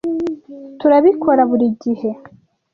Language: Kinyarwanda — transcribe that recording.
Turabikora buri gihe.